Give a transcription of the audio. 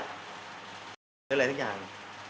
คืออะไรสักอย่าง